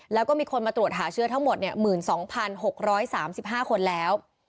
แล้วก็มีคนมาตรวจหาเชื้อทั้งหมด๑๒๖๓๕คนแล้ว